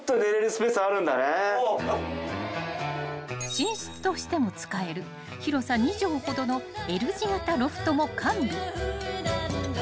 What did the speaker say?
［寝室としても使える広さ２畳ほどのＬ字形ロフトも完備］